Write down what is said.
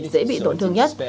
dễ bị tổn thương nhất